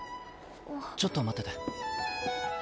ちょっと待ってて。